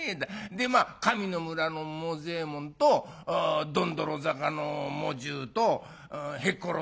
でまあ上の村のもざえもんとどんどろ坂の茂十とへっころ